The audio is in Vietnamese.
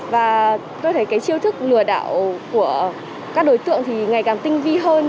và tôi thấy cái chiêu thức lừa đảo của các đối tượng thì ngày càng tinh vi hơn